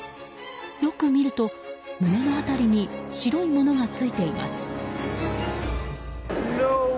よく見ると、胸の辺りに白いものがついています。